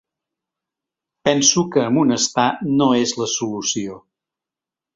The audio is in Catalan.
Penso que amonestar no és la solució.